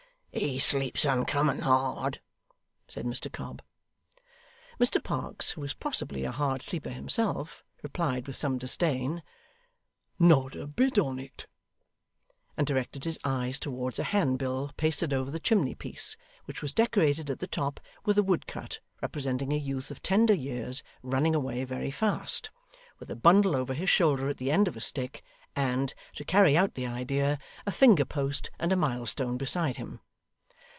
'He sleeps uncommon hard,' said Mr Cobb. Mr Parkes, who was possibly a hard sleeper himself, replied with some disdain, 'Not a bit on it;' and directed his eyes towards a handbill pasted over the chimney piece, which was decorated at the top with a woodcut representing a youth of tender years running away very fast, with a bundle over his shoulder at the end of a stick, and to carry out the idea a finger post and a milestone beside him.